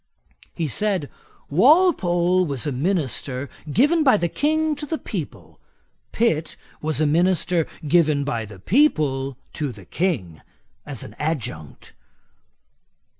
He said, 'Walpole was a minister given by the King to the people: Pitt was a minister given by the people to the King, as an adjunct.'